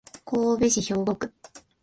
神戸市兵庫区